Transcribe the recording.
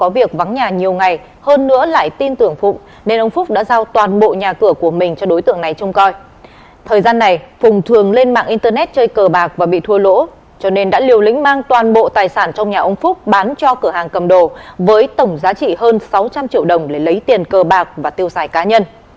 với tổng giá trị hơn sáu trăm linh triệu đồng để lấy tiền cơ bạc và tiêu xài cá nhân